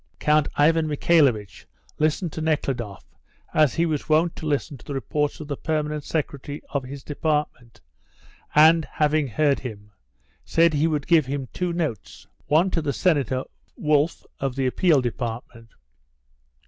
Count Ivan Michaelovitch listened to Nekhludoff as he was wont to listen to the reports of the permanent secretary of his department, and, having heard him, said he would give him two notes, one to the Senator Wolff, of the Appeal Department.